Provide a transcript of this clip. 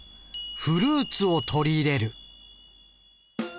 「フルーツを取り入れる」。